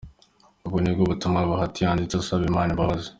Ubwo ni bwo butumwa Bahati yanditse asaba Imana imbabazi.